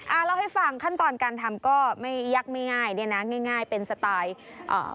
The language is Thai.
เล่าให้ฟังขั้นตอนการทำก็ไม่ยักษ์ไม่ง่ายเนี้ยนะง่ายง่ายเป็นสไตล์อ่า